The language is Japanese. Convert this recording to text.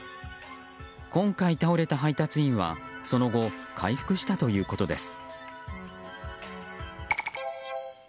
今回倒れた配達員はその後、回復したということです。